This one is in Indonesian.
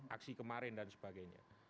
aksi kemarin dan sebagainya